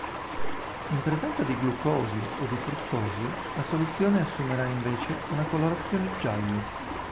In presenza di glucosio o di fruttosio la soluzione assumerà invece una colorazione giallo.